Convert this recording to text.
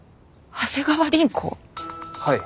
はい。